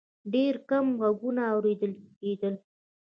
ډېر کم غږونه اورېدل کېدل.